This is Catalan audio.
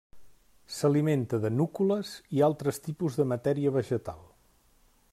S'alimenta de núcules i altres tipus de matèria vegetal.